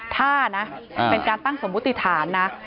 ท่านะเป็นการตั้งสมมุติฐานนะ